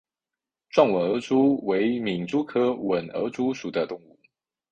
壮吻额蛛为皿蛛科吻额蛛属的动物。